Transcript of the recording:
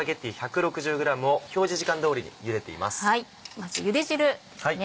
まずゆで汁ですね。